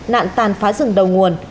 nạn tàn phá rừng đầu nguồn